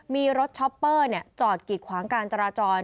มีรถช็อปเปอร์จอดกิดขวางการจราจร